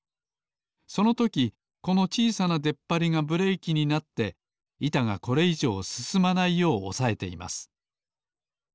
そのときこのちいさなでっぱりがブレーキになっていたがこれいじょうすすまないようおさえています。